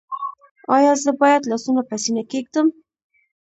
ایا زه باید لاسونه په سینه کیږدم؟